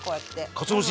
かつお節。